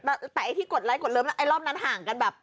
แต่ไอ้ที่กดไลคดเลิฟไอ้รอบนั้นห่างกันแบบ